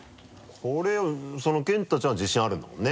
これは健汰ちゃんは自信あるんだもんね？